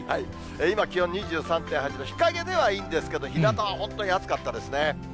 今、気温２３．８度、日陰ではいいんですけれども、ひなたは本当に暑かったですね。